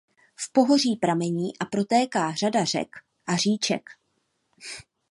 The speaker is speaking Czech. V pohoří pramení a protéká řada řek a říček.